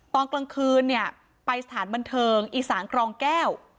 ตอนกลางคืนเนี่ยไปสถานบันเทิงอีสานกรองแก้ว